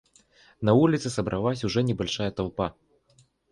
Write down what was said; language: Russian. На улице собралась уже небольшая толпа.